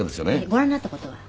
ご覧になった事は？